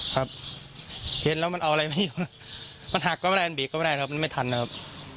ครับเห็นแล้วมันเอาอะไรไม่อยู่มันหักก็ไม่ได้มันเบรกก็ไม่ได้ครับมันไม่ทันนะครับ